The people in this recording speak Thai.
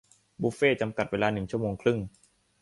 บุฟเฟ่ต์จำกัดเวลาหนึ่งชั่วโมงครึ่ง